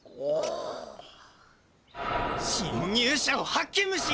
侵入者を発見ムシ！